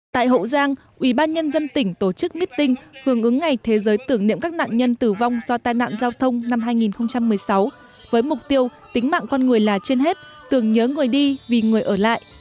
tại hậu giang ubnd tỉnh tổ chức meeting hưởng ứng ngày thế giới tưởng niệm các nạn nhân tử vong do tai nạn giao thông năm hai nghìn một mươi sáu với mục tiêu tính mạng con người là trên hết tưởng nhớ người đi vì người ở lại